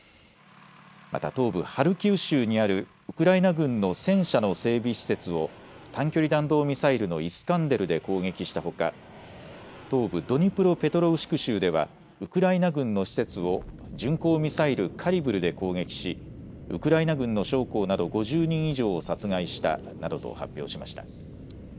また東部ハルキウ州にあるウクライナ軍の戦車の整備施設を短距離弾道ミサイルのイスカンデルで攻撃したほか、東部ドニプロペトロウシク州では、ウクライナ軍の施設を巡航ミサイル、カリブルで攻撃し、ウクライナ軍の将校など５０人以上を殺害したなどと発表しました。